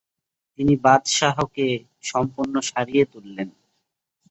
তিনি বাদশাহকে সম্পূর্ণ সারিয়ে তুললেন।